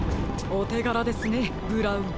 おてがらですねブラウン。